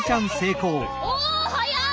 おはやい！